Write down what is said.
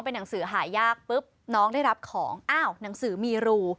เป็นหนังสือหายากปุ๊บน้องได้รับของอ้าวหนังสือมีรู